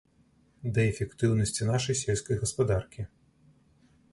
Да эфектыўнасці нашай сельскай гаспадаркі.